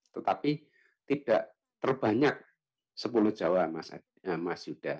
tetapi tidak terbanyak sepuluh jawa mas yuda